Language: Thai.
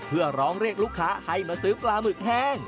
เพื่อร้องเรียกลูกค้าให้มาซื้อปลาหมึกแห้ง